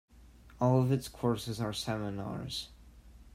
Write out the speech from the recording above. All of its courses are seminars.